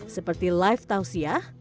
seperti live tausiah